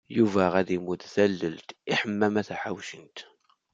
Yuba ad imudd tallelt i Ḥemmama Taḥawcint.